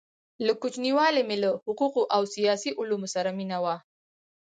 د كوچنیوالي مي له حقو قو او سیاسي علومو سره مینه وه؛